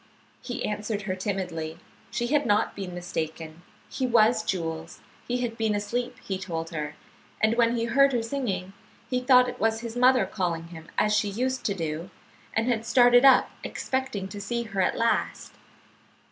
He answered her timidly. She had not been mistaken; he was Jules; he had been asleep, he told her, and when he heard her singing, he thought it was his mother calling him as she used to do, and had started up expecting to see her at last.